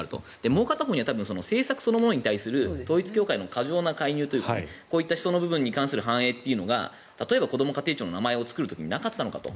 もう片方には政策そのものに対する統一教会の過剰な介入というか思想に関する反映というのが例えばこども家庭庁の名前を作る時になかったのかと。